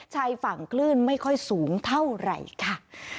ชายฝั่งคลื่นไม่ค่อยสูงเท่าไหร่ค่ะ